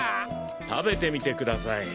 食べてみてください。